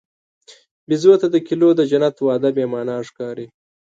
بیزو ته د کیلو د جنت وعده بېمعنی ښکاري.